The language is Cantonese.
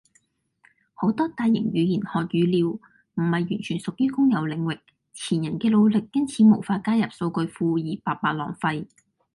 好多大型語言學語料唔係完全屬於公有領域。前人既努力因此無法加入數據庫，而白白浪費